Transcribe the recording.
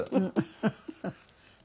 フフフフ。